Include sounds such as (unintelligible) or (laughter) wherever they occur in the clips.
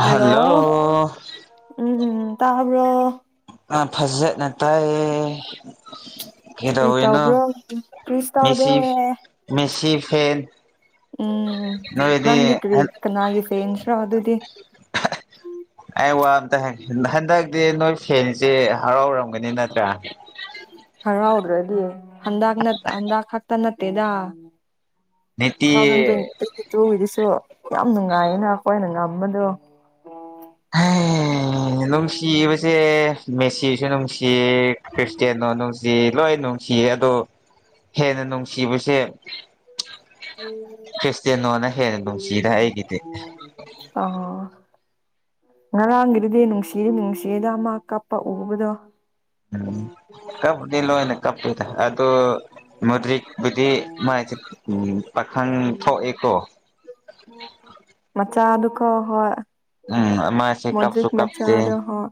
Hello ꯎꯝ ꯇꯥꯕꯔ‌ꯣ ꯑꯥ ꯐꯖꯠꯅ ꯇꯥꯏꯌꯦ ꯀ꯭ꯔꯤ ꯇꯧꯕ꯭ꯔꯣ ꯀꯩꯗꯧꯔꯤꯅꯣ ꯀ꯭ꯔꯤꯁꯨꯇꯧꯗꯦ ꯃꯦꯁꯤ ꯃꯦꯁꯤ ꯐꯦꯟ ꯎꯝ ꯅꯣꯏꯗꯤ ꯅꯪꯗꯤ ꯀꯔꯤ ꯀꯅꯥꯒꯤ ꯐ‌‌ꯦꯟꯁ꯭ꯔꯣ ꯑꯗꯨꯗꯤ ꯑꯩ ꯋꯥ ꯑꯝꯇꯥ ꯍꯪ ꯍꯟꯗꯛꯇꯤ ꯅꯣꯏ ꯐꯦꯟꯁ‌ꯦ ꯍꯔꯥꯎꯔꯝꯒꯅꯤ ꯅꯠ ꯇꯔꯥ ꯍꯔꯥꯎꯗ꯭ꯔꯗꯤ ꯍꯟꯗꯛ ꯅꯠ ꯍꯟꯗꯛ ꯈꯛꯇ ꯅꯠꯇꯦꯗ ꯇꯨ ꯅꯤꯇꯤ ꯊꯥꯎꯖꯟ ꯇ꯭ꯋꯦꯟꯇꯤ ꯇꯨꯒꯤ ꯗꯨꯁꯨ ꯌꯥꯝ ꯅꯨꯉꯥꯏꯕꯅ‌ꯦ ꯑꯈꯣꯏꯅ ꯉꯝꯕꯗꯣ ꯅꯨꯡꯁꯤꯕꯁꯦ ꯃꯦꯁꯤꯁꯨ ꯅꯨꯡꯁꯤ ꯈ꯭ꯔꯤꯁꯇꯤꯌꯥꯅꯣ ꯅꯨꯡꯁꯤ ꯂꯣꯏ ꯅꯨꯡꯁꯤꯌꯦ ꯑꯗꯣ ꯍꯦꯟꯅ ꯅꯨꯡꯁꯤꯕꯁꯦ ꯈ꯭ꯔꯤꯁꯇꯤꯌꯥꯅꯣ ꯅ ꯍꯦꯅ ꯅꯨꯡꯁꯤꯗ ꯑꯩꯒꯤꯗꯤ ꯑ‌ꯣ ꯉꯔꯥꯡꯒꯤꯗꯨꯗꯤ ꯅꯨꯡꯁꯤ ꯅꯨꯡꯁꯤꯗ ꯃꯥ ꯀꯞꯄ ꯎꯕꯗꯣ ꯎꯝ ꯀꯞꯄꯗꯤ ꯂ‌ꯣꯏꯅ ꯀꯞꯄ‌ꯦꯗ ꯑꯗ‌ꯣ ꯃꯗ꯭ꯔꯤꯛꯕꯨꯗꯤ ꯃꯥꯥꯏꯁ‌ꯦ ꯎꯝ ꯄꯥꯈꯪ ꯊꯣꯛꯑꯦꯀꯣ ꯃꯆꯥꯗꯨꯀ ꯍꯣꯏ ꯎꯝ ꯃꯥꯁꯦ ꯃ‌ꯣꯗꯔꯤꯛ ꯀꯞꯁꯨ ꯀꯞꯇꯦ ꯃꯆꯥꯗ‌ꯣ ꯍ‌ꯣ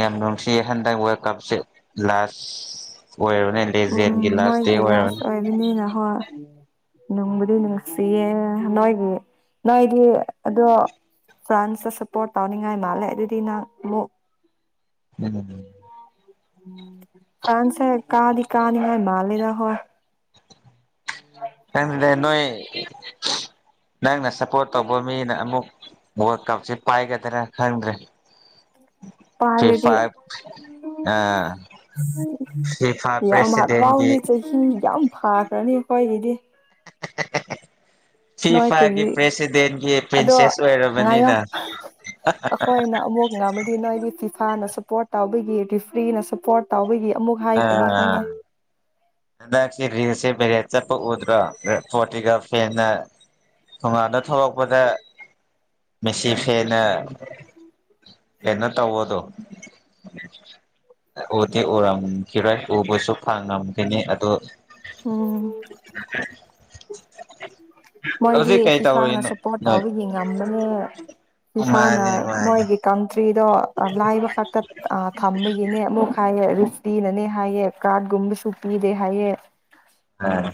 ꯌꯥꯝ ꯅꯨꯡꯁꯤ ꯍꯟꯗꯛ ꯋꯔꯥꯜ ꯀꯞꯁꯦ ꯂꯥꯁ ꯑꯣꯏꯔꯕꯅꯤ ꯂꯦꯖꯦꯟ ꯒꯤ ꯂꯥꯁ ꯗꯦ ꯑ‌ꯣꯏꯔ ꯕ‌ꯦꯅꯤꯅ ꯍꯣꯏ ꯅꯨꯡꯕꯨꯗꯤ ꯅꯨꯡꯁꯤꯌꯦ ꯅꯣꯏꯒꯤ ꯅꯣꯏꯗꯤ ꯑꯗꯣ ꯐ꯭ꯔꯥꯟꯁꯇ ꯁꯞꯄꯣꯔꯠ ꯇꯧꯅꯤꯡꯉꯥꯏ ꯃꯥꯜꯂꯦ ꯑꯗꯨꯗꯤ ꯅꯪ ꯑꯃꯨꯛ ꯅꯠꯇꯗꯤ ꯐ꯭ꯔꯥꯟꯁ ꯁꯦ ꯀꯥꯗꯤ ꯀꯥꯅꯤ ꯍꯥꯏ ꯃꯥꯟꯂꯤꯗꯥ ꯍꯣꯏ (unintelligible) ꯅꯪꯗꯦ ꯅꯣꯏ ꯅꯪꯅ ꯁꯞꯄꯣꯔꯠ ꯇꯧꯕ ꯃꯤꯅ ꯑꯃꯨꯛ ꯋꯥꯜ ꯀꯞꯁꯦ ꯄꯥꯏꯒꯗꯔ ꯈꯪꯗ꯭ꯔꯦ ꯊ꯭ꯔꯤ ꯐꯥꯢꯞ ꯐꯤꯐꯥ (unintelligible) ꯎꯝ ꯄ꯭ꯔꯦꯁꯤꯗꯦꯟꯒꯤ ꯌꯥꯝ ꯐꯥꯈ꯭ꯔꯅꯤ ꯑꯈꯣꯏꯒꯤꯗꯤ (unintelligible) ꯅꯣꯏ ꯐꯤꯐꯥꯒꯤ ꯀꯔꯤ ꯄ꯭ꯔꯦꯁꯤꯗꯦꯟꯒꯤ ꯑꯗꯣ ꯄ꯭ꯔꯤꯟꯁꯦꯁ ꯉꯥꯏꯌꯣ ꯑꯣꯏꯔꯕꯅꯤꯅ ꯑꯩꯈꯣꯏꯅ ꯑꯃꯨꯛ ꯉꯝꯔꯗꯤ ꯅꯣꯏꯗꯤ ꯐꯤꯐꯥꯅ ꯁꯞꯄꯣꯔꯠ ꯇꯧꯕꯒꯤ ꯔꯤꯐ꯭ꯔꯤꯅ ꯁꯞꯄꯣꯔꯠ ꯇꯥꯎꯕꯒꯤ ꯑꯃꯨꯛ ꯍꯥꯏꯈꯤꯅꯤ ꯑꯥ ꯈꯪꯉꯦ ꯍꯟꯗꯛꯁꯤ ꯔꯤꯜꯁꯦ ꯕꯦꯔꯦꯜ ꯆꯠꯄ ꯎꯗ꯭ꯔꯣ ꯄꯣꯔꯇꯨꯒꯥꯜ ꯐꯦꯟꯅ ꯊꯣꯡꯒꯥꯥꯟꯗ ꯊꯣꯂꯛꯄꯗ ꯃꯦꯁꯤ ꯐꯦꯟꯅ ꯀꯩꯅꯣ ꯇꯧꯕꯗꯣ ꯎꯗꯤ ꯎꯔꯝꯈꯤꯔꯣꯏ ꯎꯕꯁꯨ ꯐꯪꯉꯝꯈꯤꯅꯤ ꯑꯗꯨ ꯎꯝ (unintelligible) ꯃꯣꯏꯗꯤ ꯍꯧꯖꯤꯛ ꯀꯩ ꯐꯤꯐꯥꯅ ꯇꯧꯔꯤꯅꯣ ꯁꯞꯄꯣꯔꯠ ꯅꯣꯏ ꯇꯧꯕꯒꯤ ꯉꯝꯕꯅꯦ ꯐꯤꯐꯥꯅ ꯃꯥꯅꯦ ꯃꯥꯅꯦ ꯃꯣꯏꯒꯤ ꯀꯟꯇ꯭ꯔꯤꯗꯣ ꯂꯥꯏꯕ ꯈꯛꯇ ꯊꯝꯕꯒꯤꯅꯦ ꯑꯃꯨꯛ ꯍꯥꯏꯌꯦ ꯃꯤꯅꯅꯦ ꯍꯥꯏꯌꯦ ꯀꯥꯔꯠ ꯀꯨꯝꯕꯁꯨ ꯄꯤꯗꯦ ꯍꯥꯏꯌꯦ ꯑꯥ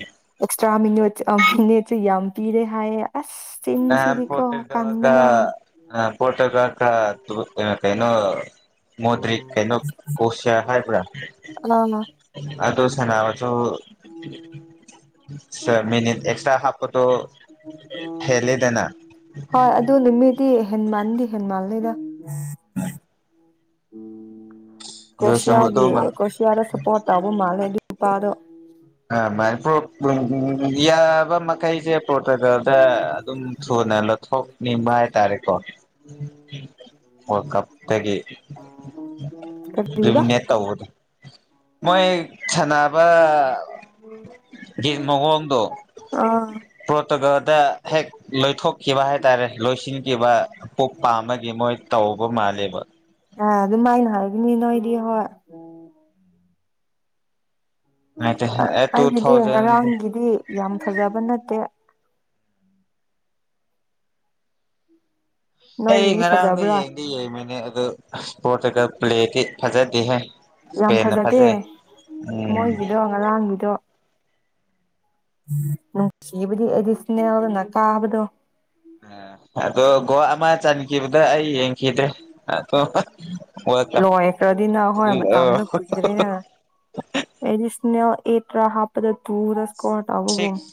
ꯑꯦꯛꯁꯇ꯭ꯔꯥ ꯃꯤꯅꯔꯠ ꯑ ꯃꯤꯅꯤꯠ ꯁꯨ ꯌꯥꯝ ꯄꯤꯔꯦ ꯍꯥꯏꯌꯦ ꯑꯁ ꯑꯥ ꯆꯤꯟꯁꯤꯗꯤꯀꯣ ꯄ꯭ꯔꯣꯇꯨꯒꯜ ꯒ ꯀꯟꯕꯅ ꯂ ꯄꯣꯔꯇꯨꯒꯥꯜ ꯒ ꯀꯩꯅꯣ ꯃꯣꯗꯔꯤꯛ ꯀꯩꯅꯣ ꯀꯣꯁꯤꯌꯥ ꯍꯥꯏꯕ꯭ꯔꯥ ꯑꯥ ꯑꯗꯣ ꯁꯅꯥꯕꯗꯣ ꯁꯇ꯭ꯔꯥ ꯃꯤꯅꯤꯠ ꯑꯦꯛꯁꯇ꯭ꯔꯥ ꯍꯥꯞꯄꯗꯣ ꯍꯦꯟꯂꯦꯗꯅ ꯍꯣꯏ ꯑꯗꯨ ꯅꯨꯃꯤꯠꯗꯤ ꯍꯦꯟꯃꯟꯗꯤ ꯍꯦꯟꯃꯜꯂꯤꯗ ꯍꯣꯢ ꯑꯗꯨꯁꯨ ꯀ꯭ꯔꯣꯁꯤꯌꯥꯒꯤ ꯑꯗꯨꯝ ꯑꯦ ꯀꯣꯔꯁꯤꯌꯥꯗ ꯁꯞꯄꯣꯔꯠ ꯇꯧꯕ ꯃꯥꯜꯂꯦ ꯑꯗꯨ ꯅꯨꯄꯥꯗꯣ ꯑ ꯃꯅꯤ ꯄ꯭ꯔꯣ ꯄ꯭ꯔꯣ ꯌꯥꯕ ꯃꯈꯩꯁꯦ ꯄꯣꯔꯇꯨꯒꯜꯗ ꯑꯗꯨꯝ (unintelligible) ꯊꯣꯛꯅꯤꯡꯕ ꯍꯥꯏꯇꯥꯔꯦꯀꯣ ꯋꯥꯜ ꯀꯞꯇꯒꯤ ꯀꯔꯤꯕ (unintelligible) ꯃꯣꯏ ꯁꯥꯟꯅꯕꯒꯤ ꯃꯑꯣꯡꯗꯣ ꯑꯥ ꯄ꯭ꯔꯣꯇꯨꯒꯜꯗ ꯍꯦꯛ ꯂꯣꯏꯊꯣꯛꯈꯤꯕ ꯍꯥꯏꯇꯥꯔꯦ ꯂꯣꯏꯁꯤꯟꯈꯤꯕ ꯄꯣꯛ ꯄꯥꯝꯕꯒꯤ ꯃꯣꯏ ꯇꯧꯕ ꯃꯥꯜꯂꯦꯕ ꯑꯥ ꯑꯗꯨꯃꯥꯏꯅ ꯍꯥꯏꯒꯅꯤ ꯅꯣꯏꯗꯤ ꯍꯣꯏ ꯑ ꯇꯨ ꯑꯩꯒꯤꯗꯤ ꯊꯥꯎꯖꯟ ꯉꯔꯥꯡꯒꯤꯗꯤ ꯌꯥꯝ ꯐꯥꯖꯕ ꯅꯠꯇꯦ ꯑꯩ ꯅꯣꯏꯒꯤꯗꯤ ꯉꯔꯥꯡꯗꯣ ꯐꯖꯕ꯭ꯔꯥ ꯌꯦꯡꯗꯤ ꯌꯦꯡꯕꯅꯦ ꯑꯗꯨ ꯑꯁ ꯄꯣꯔꯇꯨꯒꯜ ꯄ꯭ꯂꯦꯗꯤ ꯐꯖꯗꯦꯍꯦ ꯌꯥꯝ ꯏꯁꯄꯦꯟꯅ ꯐꯥꯖꯗꯦ ꯐꯖꯩ ꯎꯝ ꯃꯣꯏꯒꯤꯗꯣ ꯉꯔꯥꯡꯒꯤꯗꯣ ꯅꯨꯡꯁꯤꯕꯗꯤ ꯑꯩꯗꯤ ꯏꯁꯅꯦꯜꯅ ꯀꯥꯕꯗꯣ ꯎꯝ ꯑꯗꯣ ꯒꯣꯜ ꯑꯃ ꯆꯟꯈꯤꯕꯗ ꯑꯩ ꯌꯦꯡꯈꯤꯗꯦ ꯑꯗꯣ ꯋꯥꯔꯜ ꯀꯞ ꯂꯣꯏꯈ꯭ꯔꯗꯤꯅ ꯍꯣꯏ ꯃꯇꯝꯗꯣ ꯀꯨꯏꯗ꯭ꯔꯤꯅꯦ ꯑꯦꯔꯤꯁꯅꯦꯜ ꯑꯦꯞꯔ ꯍꯥꯞ ꯄꯗ ꯇꯨꯔ ꯁꯀꯣꯔ ꯇꯧꯕꯒꯨꯝ ꯁꯤꯛꯁ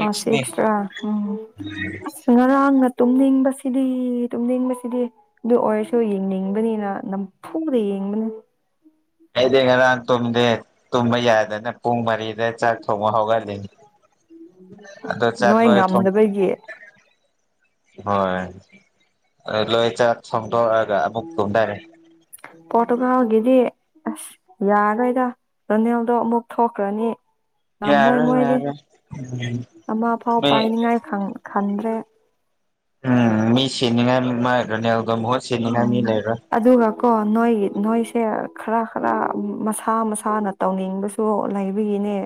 ꯑ ꯁꯤꯛꯁꯔꯥ ꯎꯝ ꯑꯁ ꯉꯔꯥꯡꯅ ꯇꯨꯝꯅꯤꯡꯕꯁꯤꯗꯤ-ꯇꯨꯝꯅꯤꯡꯕꯁꯤꯗꯤ ꯑꯗꯨ ꯑꯣꯏꯔꯁꯨ ꯌꯦꯡꯅꯤꯡꯕꯅꯤꯅ ꯅꯝ ꯐꯨꯗ ꯌꯦꯡꯕꯅꯦ꯫ ꯑꯩꯗꯤ ꯉꯔꯥꯡ ꯇꯨꯝꯗꯦ ꯇꯨꯝꯕ ꯌꯥꯗꯗꯅ ꯄꯨꯡ ꯃꯔꯤꯗ ꯆꯥꯛ ꯊꯣꯡꯕ ꯍꯧꯒꯠ ꯑꯗꯣ ꯆꯥꯛ ꯅꯣꯏ ꯂꯣꯏꯔ ꯉꯝꯗꯕꯒꯤ ꯍꯣꯏ ꯂꯣꯏ (unintelligible) ꯑꯃꯨꯛ ꯇꯨꯝꯊꯔꯦ ꯄꯣꯔꯇꯨꯒꯥꯜꯒꯤꯗꯤ ꯑꯁ ꯌꯥꯔꯥꯔꯣꯏꯗ ꯔꯣꯅꯦꯜꯗꯣ ꯑꯃꯨꯛ ꯊꯣꯛꯈ꯭ꯔꯅꯤ ꯉꯝꯃꯣꯏ ꯌꯥꯔꯣꯏ ꯃꯣꯏꯗꯤ ꯌꯥꯔꯣꯏ ꯎꯝ ꯑꯃ ꯐꯥꯎ ꯃꯤ ꯄꯥꯏꯅꯤꯡꯉꯥꯏ ꯈꯟꯗ꯭ꯔꯦ꯫ ꯎꯝ ꯃꯤ ꯁꯤꯅꯤꯡꯉꯥꯏ ꯃꯥꯥꯏ ꯔꯥꯅꯦꯜꯒ ꯃꯍꯨꯠ ꯁꯤꯅꯤꯡꯉꯥꯏ ꯃꯤ ꯎꯝ ꯂꯩꯔꯥꯔꯣꯏ꯫ ꯑꯗꯨꯒꯀꯣ ꯅꯣꯏ ꯅꯣꯏꯁꯦ ꯈꯔ ꯈꯔ ꯃꯁꯥ ꯃꯁꯥꯅ ꯇꯧꯅꯤꯡꯕꯁꯨ ꯂꯩꯕꯒꯤꯅꯦ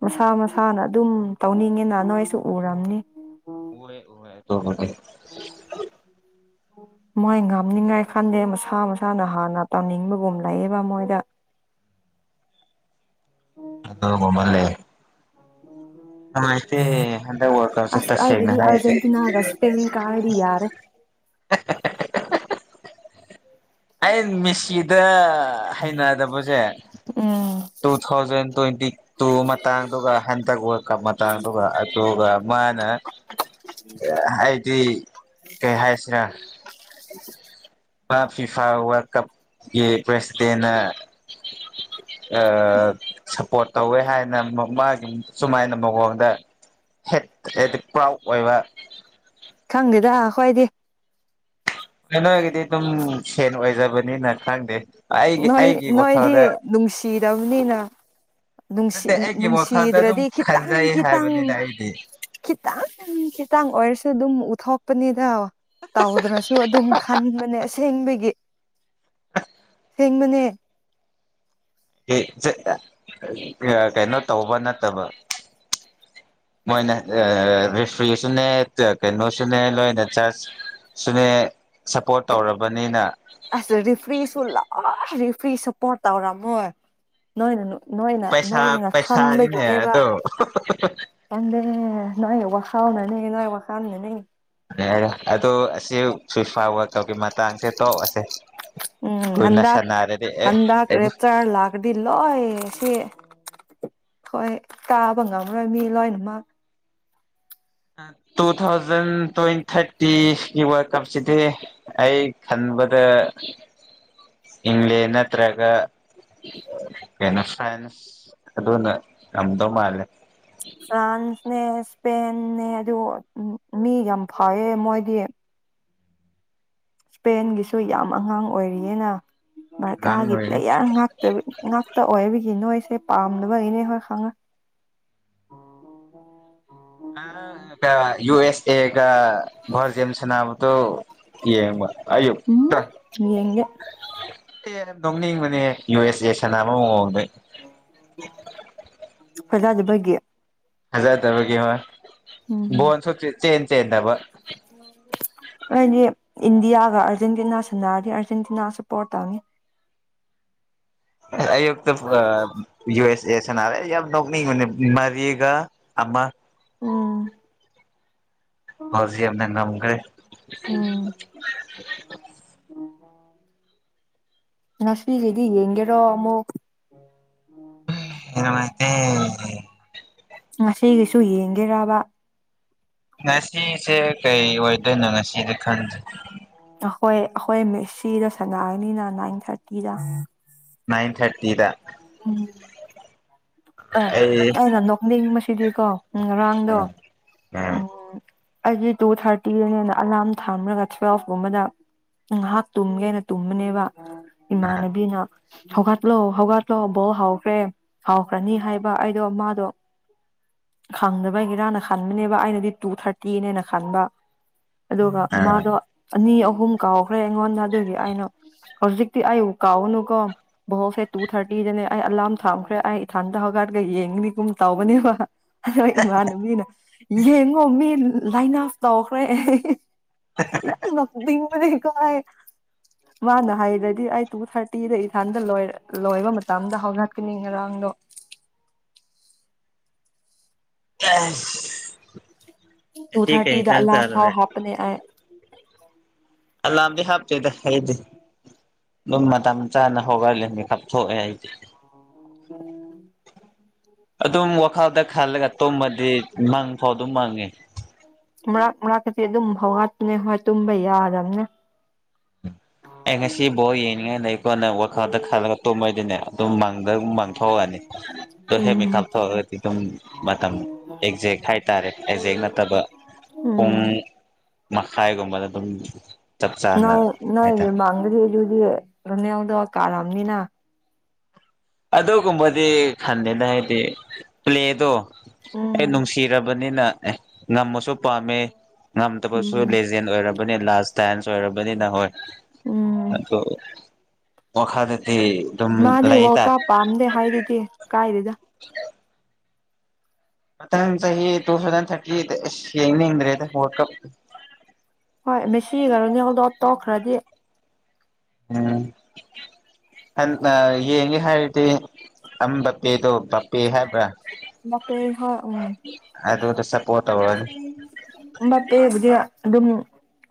ꯃꯁꯥ ꯃꯁꯥꯅ ꯑꯗꯨꯝ ꯇꯧꯅꯤꯡꯉꯦꯅ ꯅꯣꯏꯁꯨ ꯎꯔꯝꯅꯤ꯫ ꯍꯦꯏ (unintelligible) ꯃꯣꯏ ꯉꯝꯅꯤꯡꯉꯥꯏ ꯈꯟꯗꯦ ꯃꯁꯥ ꯃꯁꯥꯅ ꯍꯥꯟꯅ ꯇꯝꯅꯤꯡꯕꯒꯨꯝ ꯂꯩꯌꯦꯕ ꯃꯣꯏꯗ ꯑꯗꯣ (unintelligible) ꯍꯟꯗꯛ ꯋꯥꯔꯜ ꯀꯞꯁꯦ ꯑꯁ ꯇꯁꯦꯡꯅ ꯑꯩꯒꯤꯗꯤ ꯍꯥꯏꯔꯗꯤ ꯑꯔꯖꯦꯟꯇꯤꯅꯥꯒ ꯏꯁꯄꯦꯟ ꯀꯥꯔꯗꯤ ꯌꯥꯔꯦ꯫ ꯑꯩ ꯃꯦꯁꯤꯗ ꯍꯩꯅꯗꯕꯁꯦ ꯎꯝ ꯇꯨ ꯊꯥꯎꯖꯟ ꯇ꯭ꯋꯦꯟꯇꯤ ꯇꯨ ꯃꯇꯥꯡꯗꯨꯒ ꯍꯟꯗꯛ ꯋ꯭ꯔꯥꯜꯗ ꯀꯞ ꯃꯇꯥꯡꯗꯨꯒ ꯑꯗꯨꯒ ꯃꯥꯅ ꯑꯩꯗꯤ ꯀꯩ ꯍꯥꯏꯁꯤꯔꯥ ꯃꯥ ꯐꯤꯐꯥ ꯋ꯭ꯔꯥꯜꯗ ꯀꯞꯀꯤ ꯄ꯭ꯔꯦꯁꯤꯗꯦꯟꯅ ꯁꯞꯄ꯭ꯔꯣꯠ ꯇꯧꯋꯦ ꯍꯥꯏꯅ ꯃꯥꯒꯤ ꯁꯨꯃꯥꯏꯅ ꯃꯑꯣꯡꯗ ꯍꯦꯠꯛꯇ ꯄ꯭ꯔꯥꯎ ꯑꯣꯏꯕ꯫ ꯈꯪꯗꯦꯗ ꯑꯩꯈꯣꯏꯗꯤ꯫ ꯑꯦ ꯅꯣꯏꯒꯤꯗꯤ ꯑꯗꯨꯝ ꯁꯦꯟ ꯑꯣꯏꯖꯕꯅꯤꯅ ꯈꯪꯗꯦ꯫ ꯑꯩꯒꯤ ꯅꯣꯏ ꯑꯩꯒꯤ ꯅꯣꯏꯗꯤ ꯋꯥꯈꯜꯗ ꯅꯨꯡꯁꯤꯗꯕꯅꯤꯅ ꯅꯨꯡꯁꯤ ꯅꯠꯇꯦ ꯑꯩꯒꯤ ꯋꯥꯈꯜꯗ ꯑꯗꯨꯝ ꯅꯨꯡꯁꯤꯗ꯭ꯔꯗꯤ ꯈꯟꯖꯩ ꯍꯥꯏꯕꯅꯤꯅ ꯈꯤꯇꯪ-ꯈꯤꯇꯪ-ꯈꯤꯇꯪ ꯑꯩꯗꯤ ꯈꯤꯇꯪ ꯈꯤꯇꯪ ꯑꯣꯏꯔꯁꯨ ꯑꯗꯨꯝ ꯎꯠꯊꯣꯛꯄꯅꯤꯗ꯫ ꯇꯧꯗ꯭ꯔꯁꯨ ꯑꯗꯨꯝ ꯈꯟꯕꯅꯦ ꯑꯁꯦꯡꯕꯒꯤ꯫ (unintelligible) ꯑꯁꯦꯡꯕꯅꯦ꯫ ꯀꯩꯅꯣ ꯇꯧꯕ ꯅꯠꯇꯕ ꯃꯣꯏꯅ ꯔꯦꯐ꯭ꯔꯤꯁꯨꯅꯦ ꯀꯩꯅꯣꯁꯨꯅꯦ ꯂꯣꯏꯅ ꯖꯖ ꯁꯨꯅꯦ ꯁꯞꯄ꯭ꯔꯣꯠ ꯇꯧꯔꯕꯅꯤꯅ꯫ ꯑꯁ ꯔꯤꯐ꯭ꯔꯤꯁꯨ ꯂꯣꯏ ꯔꯤꯐ꯭ꯔꯤ ꯁꯄꯣꯔꯠ ꯇꯧꯔꯝꯃꯣꯏ꯫ ꯅꯣꯏꯅ ꯅꯣꯏꯅ ꯄꯩꯁꯥ ꯅꯣꯏꯅ ꯄꯩꯁꯥꯅꯤꯅꯦ ꯈꯪꯕꯒꯤꯅꯦꯕ ꯑꯗꯣ ꯈꯪꯗꯦ ꯅꯣꯏ ꯋꯥꯈꯜ ꯅꯅꯦ ꯅꯣꯏ ꯋꯥ ꯈꯅ ꯅꯅꯦ꯫ ꯌꯥꯔꯦ ꯑꯗꯣ ꯑꯁꯤ ꯐꯤꯐꯥ ꯋ꯭ꯔꯥꯜꯗ ꯀꯞꯀꯤ ꯃꯇꯥꯡꯁꯦ ꯇꯣꯛꯑꯁꯦ꯫ ꯎꯝ ꯀꯨꯏꯅ ꯍꯟꯗꯛ ꯁꯥꯟꯅꯔꯗꯤ ꯑꯦ ꯍꯟꯗꯛ ꯔꯦꯠꯇꯔ ꯂꯥꯛ ꯍꯥꯏꯗꯤ ꯂꯣꯏ ꯁꯤ ꯍꯣꯏ ꯀꯥꯕ ꯉꯝꯃꯔꯣꯏ ꯃꯤ ꯂꯣꯏꯅꯃꯛ ꯇꯨ ꯊꯥꯎꯖꯟ ꯇ꯭ꯋꯦꯟ ꯊꯥꯔꯇꯤꯒꯤ ꯋ꯭ꯔꯥꯜꯗ ꯀꯞꯁꯤꯗꯤ ꯑꯩ ꯈꯟꯕꯗ ꯏꯪꯂꯦꯟ ꯅꯠꯇ꯭ꯔꯒ ꯀꯩꯅꯣ (unintelligible) ꯑꯗꯨꯅ ꯉꯝꯗꯧ ꯃꯥꯂꯦ ꯐ꯭ꯔꯥꯟꯁꯅꯦ ꯏꯁꯄꯦꯟꯅꯦ ꯑꯗꯨ ꯃꯤ ꯌꯥꯝ ꯐꯩꯋꯦ ꯃꯣꯏꯗꯤ ꯏꯁꯄꯦꯟꯒꯤꯁꯨ ꯌꯥꯝ ꯑꯉꯥꯡ ꯑꯣꯏꯔꯤꯑꯦꯅ ꯑꯉꯥꯡ ꯕꯥꯔꯀꯥꯒꯤ ꯑꯣꯏꯔꯦ ꯄ꯭ꯂꯦꯌꯥꯔ ꯉꯥꯛ ꯉꯥꯛꯇ ꯑꯣꯏꯕꯒꯤ ꯅꯣꯏꯁꯦ ꯄꯥꯝꯅꯕꯒꯤꯅꯦ ꯍꯣꯏ ꯈꯪꯉꯦ (unintelligible) ꯌꯨ ꯑꯦꯁ (unintelligible) ꯁꯥꯟꯅꯕꯗꯣ ꯌꯦꯡꯕ ꯑꯌꯨꯛꯇ ꯎꯝ ꯌꯦꯡꯗꯦ ꯍꯦꯟꯅ ꯅꯣꯡꯅꯤꯡꯕꯅꯦ ꯌꯨ ꯑꯦꯁ ꯑꯦꯅ ꯁꯥꯟꯅꯕ ꯃꯑꯣꯡꯗ ꯐꯖꯗꯕꯒꯤ ꯐꯖꯗꯕꯒꯤ ꯍꯣꯏ ꯎꯝ ꯕꯣꯟꯁꯨ ꯁꯨꯡꯆꯦꯟ ꯆꯦꯟꯗꯕ ꯑꯩꯗꯤ ꯏꯟꯗꯤꯌꯥꯒ ꯑꯥꯔꯖꯦꯟꯇꯤꯅꯥ ꯁꯥꯟꯅꯔꯗꯤ ꯑꯥꯔꯖꯦꯟꯇꯤꯅꯥ ꯄꯣꯔꯠ ꯇꯧꯅꯤ ꯑꯌꯨꯛꯇ ꯌꯨ ꯑꯦꯁ ꯑꯦꯁꯅꯔꯦ ꯌꯥꯝ ꯅꯣꯛꯅꯤꯡꯕꯅꯦ ꯃꯔꯤꯒ ꯑꯃ ꯎꯝ ꯕꯦꯜꯖꯤꯌꯝꯅ ꯉꯝꯒ꯭ꯔꯦ ꯎꯝ ꯉꯁꯤꯒꯤꯗꯤ ꯌꯦꯡꯒꯦꯔꯣ ꯑꯃꯨꯛ ꯅꯨꯡꯉꯥꯏꯇꯦ ꯉꯁꯤꯒꯤꯁꯨ ꯌꯦꯡꯒꯦꯔꯕ ꯉꯁꯤꯁꯦ ꯀꯩ ꯑꯣꯏꯗꯣꯏꯅꯣ ꯉꯁꯤꯗꯤ ꯈꯪꯗꯦ ꯑꯩꯈꯣꯏ ꯑꯩꯈꯣꯏ ꯃꯦꯁꯤꯗ ꯁꯥꯟꯅꯒꯅꯤꯅ ꯅꯥꯏꯟ ꯊꯥꯔꯇꯤꯗ ꯅꯏꯟ ꯊꯥꯔꯇꯤꯗ ꯎꯝ ꯑꯦ ꯑꯩ ꯑꯩꯅ ꯅꯣꯛꯅꯤꯡꯕꯁꯤꯗꯤꯀꯣ ꯉꯔꯥꯡꯗꯣ ꯎꯝ ꯑꯩꯒꯤ ꯇꯨ ꯊꯥꯔꯇꯤꯗꯅꯦꯅ ꯑꯂꯥꯔꯝ ꯊꯝꯂꯒ ꯇꯨꯋꯦꯜꯀꯨꯝꯕꯗ ꯉꯥꯏꯍꯥꯛ ꯇꯨꯝꯒꯦꯅ ꯇꯨꯝꯕꯅꯦꯕ ꯑ ꯏꯃꯥꯟꯅꯕꯤꯅ ꯍꯧꯒꯠꯂꯣ ꯍꯧꯒꯠꯂꯣ ꯕꯣꯜ ꯍꯥꯎꯈ꯭ꯔꯦ ꯍꯧꯈ꯭ꯔꯅꯤ ꯍꯥꯏꯕ ꯑꯩꯗꯣ ꯃꯥꯗꯣ ꯈꯪꯗꯕꯩꯔꯅ ꯈꯟꯕꯅꯦꯕ ꯑꯩꯅꯗꯤ ꯇꯨ ꯊꯥꯔꯇꯤꯅꯦꯅ ꯈꯟꯕ ꯑꯗꯨꯒ ꯑ ꯃꯥꯗꯣ ꯑꯅꯤ ꯑꯍꯨꯝ ꯀꯥꯎꯈ꯭ꯔꯦ ꯑꯩꯉꯣꯟꯗ ꯑꯗꯨꯒꯤ ꯑꯩꯅ ꯍꯧꯖꯤꯛꯇꯤ ꯑꯩꯕꯨ ꯀꯥꯎꯒꯅꯨꯀꯣ ꯕꯣꯜꯁꯦ ꯇꯨ ꯊꯥꯔꯇꯤꯗꯅꯦ ꯑꯩ ꯑꯂꯥꯔꯝ ꯊꯥꯝꯈ꯭ꯔꯦ ꯑꯩ ꯢꯊꯟꯇ ꯍꯧꯒꯥꯠꯂꯒ ꯌꯦꯡꯅꯤ ꯀꯨꯝꯃ ꯇꯥꯎꯕꯅꯦꯕ ꯑꯗ ꯏꯃꯥꯟꯅꯕꯤꯅ ꯌꯦꯡꯉꯣ ꯃꯤ ꯂꯥꯏꯟ ꯎꯥꯞ ꯇꯧꯈ꯭ꯔꯦ ꯌꯥꯝ ꯅꯣꯛꯅꯤꯡꯕꯅꯦꯒꯣ ꯑꯩ ꯃꯥꯅ ꯍꯥꯏꯗ꯭ꯔꯗꯤ ꯑꯩ ꯇꯨ ꯊꯥꯔꯇꯤꯗ ꯏꯊꯥꯟꯗ ꯂꯣꯏꯕ ꯃꯇꯝꯗ ꯍꯧꯒꯠꯀꯅꯤ ꯉꯔꯥꯡꯗꯣ ꯇꯨ ꯉꯁꯤ ꯀꯩ ꯊꯥꯔꯇꯤꯗ ꯌꯦꯟꯁꯥꯡ ꯑꯂꯥꯔꯝ ꯐꯥꯎ ꯆꯥꯔꯨꯔꯦ ꯍꯥꯞꯄꯅꯦ ꯑꯩ ꯑꯦꯂꯝꯗꯤ ꯍꯥꯞꯇꯦꯗ ꯑꯩꯗꯤ ꯑꯗꯨꯝ ꯃꯇꯝ ꯆꯥꯅ ꯍꯧꯒꯠꯂꯦ ꯃꯤꯀꯥꯞ ꯊꯣꯛꯑꯦ ꯑꯩꯗꯤ ꯎꯝ (unintelligible) ꯑꯗꯨꯝ ꯋꯥꯈꯜꯗ ꯈꯜꯂꯒ ꯇꯨꯝꯃꯗꯤ ꯃꯪꯐꯥꯎ ꯑꯗꯨꯝ ꯃꯪꯉꯦ ꯃꯔꯥꯛ ꯃꯔꯥꯛꯇꯗꯤ ꯑꯗꯨꯝ ꯍꯧꯒꯠꯄꯅꯦ ꯍꯣꯏ ꯇꯨꯝꯕ ꯌꯥꯗꯕꯅꯦ ꯑꯩ ꯉꯁꯤ ꯕꯣꯜ ꯌꯦꯡꯅꯤꯡꯉꯥꯢ ꯂꯩꯒꯣꯅ ꯋꯥꯈꯜꯗ ꯈꯜꯂꯒ ꯇꯨꯝꯃꯗꯤꯅꯦ ꯑꯗꯨꯝ ꯃꯥꯡꯗ ꯑꯗꯨꯝ ꯃꯥꯡ ꯊꯣꯛꯑꯅꯤ ꯍꯦꯛ ꯎꯝ ꯃꯤ ꯀꯥꯞꯊꯣꯛꯑꯗꯤ ꯑꯗꯨꯝ ꯃꯇꯝ ꯑꯦꯛꯖꯦꯛ ꯍꯥꯏꯇꯥꯔꯦ ꯑꯦꯛꯖꯦꯛ ꯅꯠꯇꯕ ꯄꯨꯡ ꯎꯝ ꯃꯈꯥꯏꯒꯨꯝꯕꯗ ꯑꯗꯨꯝ ꯆꯞ ꯆꯥꯅ ꯅꫭꯏꯒꯤ ꯍꯥꯏꯇꯥꯔꯦ ꯃꯥꯥꯡꯗꯗꯤ ꯑꯗꯨꯗꯤ ꯐ꯭ꯔꯅꯦꯜꯗꫭ ꯀꯥꯔꯝꯅꯤꯅ ꯑꯗꯨꯒꯨꯝꯕꯗꯤ ꯈꯟꯗꯦꯗꯥ ꯑꯩꯗꯤ ꯄ꯭ꯂꯦꯗꯣ ꯑꯩ ꯎꯝ ꯅꯨꯡꯁꯤꯔ ꯕꯅꯤꯅ ꯑꯦ ꯉꯝꯃꯁꯨ ꯄꯥꯝꯃꯦ ꯉꯝꯗꯕꯁꯨ ꯎꯝ ꯂꯦꯁ ꯕꯤꯌꯦ ꯑꯣꯏꯔꯕꯅꯤ ꯂꯥꯁ ꯇꯥꯏꯝꯁ ꯑꯣꯏꯔꯕꯅꯤꯅ ꯍꯣꯏ ꯎꯝ ꯑꯗꫭ ꯋꯈꯜꯗꯗꯤ ꯑꯗꯨꯝ ꯃꯥꯗꯤ ꯂꯩ ꯋꯥꯔꯜ ꯇꯥꯏ ꯀꯞ ꯄꯥꯝꯗꯦ ꯍꯥꯏꯗꯨꯗꯤ ꯀꯥꯏꯗꯦꯗ (inaudible) ꯃꯊꯪ ꯆꯍꯤ ꯇꯨꯊꯧꯖꯟ ꯊ꯭ꯔꯇꯤ ꯑꯦꯠꯇ ꯌꯦꯡꯅꯤꯡꯗ꯭ꯔꯗꯦ ꯋꯥꯔꯜ ꯀꯞ ꯍꯣꯏ ꯃꯦꯁꯤꯒ ꯔꫭꯅꯥꯜꯗꫭ ꯇꫭꯛꯈ꯭ꯔꯗꯤ꯫ ꯎꯝ꯫ ꯍꯥꯟꯅ ꯌꯦꯡꯒꯦ ꯍꯥꯏꯔꯗꯤ ꯑꯥꯝ ꯕꯄꯦꯗꯣ ꯕꯄꯦ ꯍꯥꯏꯕ꯭ꯔꯥ ꯕꯄꯦ ꯍꫭꯏ ꯎꯝ ꯑꯗꯨꯗ ꯁꯞꯄꯣꯔꯠ ꯇꯧꯔꯅꯤ ꯃꯄꯦꯕꯨꯗꯤ ꯑꯗꯨꯝ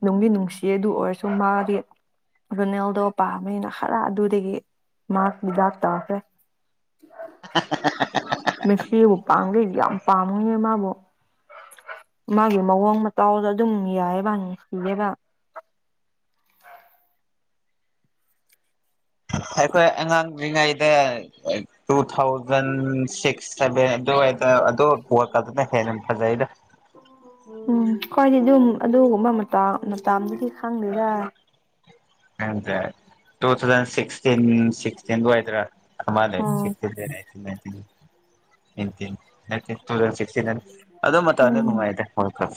ꯅꯨꯡꯗꯤ ꯅꯨꯡꯁꯤꯌꯦ ꯑꯗꯨ ꯑꯣꯏꯔꯁꯨ ꯃꯥꯗꯤ ꯔꯣꯅꯦꯜꯗꯣ ꯄꯥꯝꯃꯦꯅ ꯍꯔꯥ ꯑꯗꯨꯗꯒꯤ ꯃꯥꯛ ꯕꯤꯖꯥꯛ ꯇꯥꯈ꯭ꯔꯦ꯫ (inaudible) ꯃꯦꯁꯤꯕꯨ ꯄꯥꯝꯒꯩ ꯌꯥꯝ ꯄꯥꯝꯃꯤꯅꯦ ꯃꯥꯕꯨ ꯃꯥꯒꯤ ꯃꯑꯣꯡ ꯃꯇꯧꯗ ꯑꯗꯨꯝ ꯌꯥꯏꯑꯕ ꯅꯨꯡꯁꯤꯌꯦꯕ ꯑꯩꯈꯣꯏ ꯑꯉꯥꯡ ꯑꯣꯏꯔꯤꯉꯩꯗ ꯇꯨꯊꯥꯎꯖꯟ ꯁꯤꯛꯁ ꯁꯚꯦꯟ ꯑꯗꯨꯋꯥꯏꯗꯥ ꯑꯗꯨ ꯋꯥꯔꯜ ꯀꯞ ꯇꯨꯅ ꯍꯦꯟꯅ ꯐꯖꯩꯗ ꯎꯝ ꯈꫭꯏꯗꯤ ꯑꯗꯨꯝ ꯑꯗꯨꯒꯨꯝꯕ ꯃꯇꯝ ꯃꯇꯝꯗꯨꯗꯤ ꯈꯪꯗꯦꯗ꯫ ꯈꯪꯗꯔꯦ ꯇꯨꯊꯥꯎꯖꯟ ꯁꯤꯛꯁ ꯆꯤꯟ ꯁꯤꯛꯁꯇꯤꯟ ꯑꯗꯨꯋꯥꯏꯗ꯭ꯔꯥ ꯑꯃ ꯂꯩ ꯎꯝ ꯁꯥꯛꯁꯇꯤꯟ ꯑꯦꯠꯇꯤꯟ ꯅꯥꯟꯇꯤꯟ ꯅꯥꯟꯇꯤꯟ ꯅꯠꯇꯦ ꯇꯨꯊꯥꯎꯖꯟ ꯁꯤꯛꯁꯇꯤꯟ ꯑꯦꯟ ꯑꯗꯨ ꯃꯇꯝꯗ ꯎꯝ ꯅꯨꯡꯉꯥꯏꯗ ꯋꯥꯔꯜ ꯀꯞ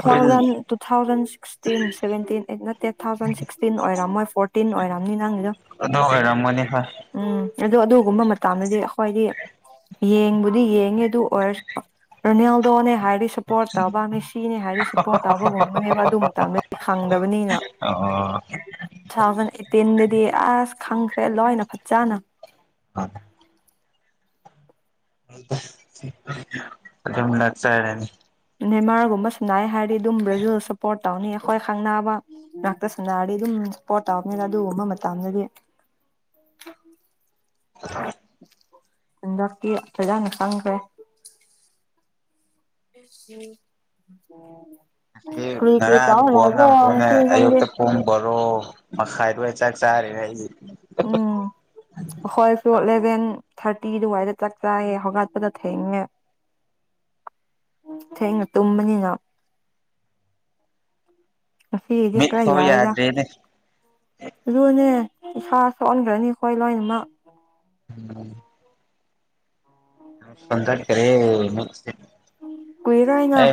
ꯑꯗꯨ ꯇꯨꯊꯥꯎꯖꯟ ꯁꯤꯛꯁꯇꯤꯟ ꯁꯚꯦꯟꯇꯤꯟ ꯑꯦꯠ ꯅꯠ ꯇꯦꯊꯥꯎꯖꯟ ꯁꯤꯛꯁꯇꯤꯟ ꯑꯣꯏꯔꯝꯃꯣꯏ ꯐꯣꯔꯇꯤꯟ ꯑꯣꯏꯔꯝꯅꯤ ꯅꯪꯒꯤꯗꯣ ꯑꯗꯨ ꯑꫭꯏꯔꯝꯃꯅꯤ ꯍꫭꯏ꯫ ꯎꯝ ꯑꯗꯨ ꯑꯗꯨꯒꯨꯝꯕ ꯃꯇꯝꯗꯗꯤ ꯑꯈꫭꯏꯗꯤ ꯌꯦꯡꯕꯨꯗꯤ ꯌꯦꯡꯉꯦ ꯑꯗꯨ ꯑꯣꯏꯔꯁꯨ ꯔꯣꯅꯦꯜꯗꯣꯅꯦ ꯍꯥꯏꯔꯗꯤ ꯁꯞꯄꯣꯔꯠ ꯇꯧꯕ ꯃꯦꯁꯤꯅꯦ ꯍꯥꯏꯔꯗꯤ ꯁꯞꯄꯣꯔꯠ ꯇꯧꯕꯒꯨꯝꯕꯅꯦꯕ ꯑꯗꯨ ꯃꯇꯝꯗꯗꯤ ꯈꯪꯗꯕꯅꯤꯅ ꯑꯍꫭ ꯇꯨꯊꯥꯎꯖꯟ ꯑꯦꯠꯇꯤꯟꯗꯗꯤ ꯑꯁ ꯈꯪꯈ꯭ꯔꯦ ꯂꯣꯏꯅ ꯐꯖꯅꯥ ꯑꯗꯨꯝ ꯂꯥꯛ ꯆꯥꯔꯅꯤ ꯅꯦꯃꯥꯔꯒꯨꯝꯕ ꯁꯥꯟꯅꯥꯏ ꯍꯥꯏꯔꯗꯤ ꯑꯗꯨꯝ ꯕ꯭ꯔꯥꯖꯤꯜ ꯁꯞꯄꯣꯔꯠ ꯇꯧꯅꯤ ꯑꯩꯈꯣꯏ ꯈꯪꯅꯕ꯫ ꯉꯥꯛꯇ ꯁꯥꯟꯅꯔꯗꯤ ꯑꯗꯨꯝ ꯁꯞꯄꯣꯔꯠ ꯇꯧꯕꯅꯤꯗ ꯑꯗꯨꯒꯨꯝꯕ ꯃꯇꯝꯗꯗꯤ ꯍꯟꯗꯛꯀꯤ ꯐꯖꯅꯥ ꯈꯪ ꯈꯔꯦ꯫ (inaudible) ꯀ꯭ꯔꯤ ꯀ꯭ꯔꯤ ꯉꯔꯥꯡꯅ ꯇꯧꯔ ꯕꫭꯛꯅ ꯂꯩꯕ꯭ꯔꯣ ꯕꫭꯛꯅ ꯉꯁꯤ ꯅꯪꯗꯤ ꯑꯌꯨꯛꯇ ꯄꯨꯡ ꯕꯔꯣ ꯉꯁꯥꯏ ꯑꯗꯨꯋꯥꯏ ꯆꯥꯛ ꯆꯥꯔꯦ ꯑꯩ ꯎꯝ ꯑꯩꯈꯣꯏꯁꯨ ꯑꯦꯂꯦꯚꯦꯟ ꯊꯥꯔꯇꯤ ꯑꯗꯨꯋꯥꯏꯗ ꯆꯥꯛ ꯆꯥꯏꯌꯦ ꯍꯧꯒꯠꯄꯗ ꯊꯦꯡꯉꯦ (inaudible) ꯊꯦꯡꯅ ꯇꯨꯝꯕꯅꯤꯅ ꯉꯁꯤꯒꯤꯗꯤ ꯃꯤꯠ ꯈꯔꯥ ꯐꯥꯎ ꯌꯥꯌꯦꯗ ꯌꯥꯗ꯭ꯔꯦꯅꯦ ꯑꯗꯨꯨꯅꯦ ꯏꯁꯥ ꯁꯣꯛꯍꯟꯈꯔꯅꯤ ꯑꯩꯈꯣꯏ ꯂꯣꯏꯅꯃꯛ (inaudible) (unintelligible) ꯀꯣꯏꯔꯏꯅ ꯑꯩ